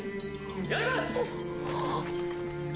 やれます！